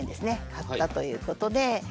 買ったということで。